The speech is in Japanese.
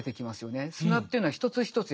砂というのは一つ一つ